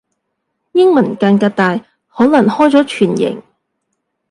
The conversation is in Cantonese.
英文間隔大可能開咗全形